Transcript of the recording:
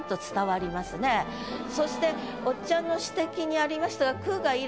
そしておっちゃんの指摘にありましたが。